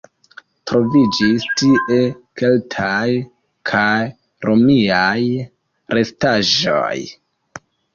Troviĝis tie keltaj kaj romiaj restaĵoj.